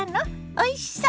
おいしそう！